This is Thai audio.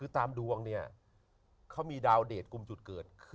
ตามดวงเขามีดาวเดชกุมจุดเกิด